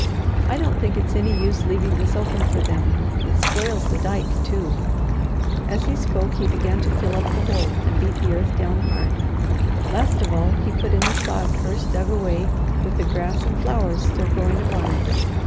"I don't think it's any use leaving this open for them. It spoils the dyke too." As he spoke he began to fill up the hole, and beat the earth down hard. Last of all, he put in the sod first dug away, with the grass and flowers still growing upon it.